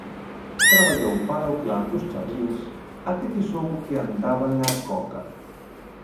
Traballou para o clan dos Charlíns até que soubo que andaban á coca.